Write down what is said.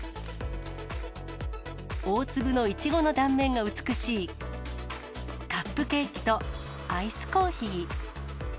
大粒のイチゴの断面が美しいカップケーキとアイスコーヒー。